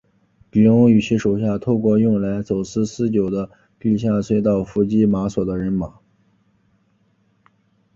狄翁与其手下透过用来走私私酒的地下隧道伏击马索的人马。